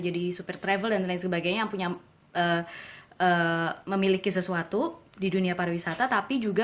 jadi supir travel dan lain sebagainya punya memiliki sesuatu di dunia pariwisata tapi juga